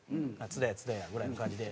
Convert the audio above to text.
「津田や津田や」ぐらいの感じで。